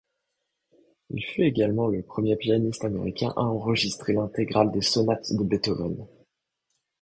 Il fut également le premier pianiste américain à enregistrer l'intégrale des sonates de Beethoven.